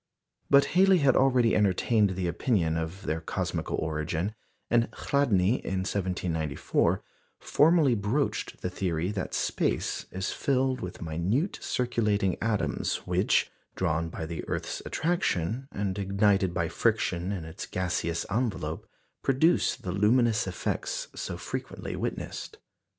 But Halley had already entertained the opinion of their cosmical origin; and Chladni in 1794 formally broached the theory that space is filled with minute circulating atoms, which, drawn by the earth's attraction, and ignited by friction in its gaseous envelope, produce the luminous effects so frequently witnessed.